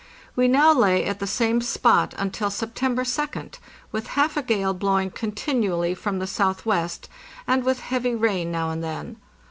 We now lay at the same spot until September 2d, with half a gale blowing continually from the southwest, and with heavy rain now and then.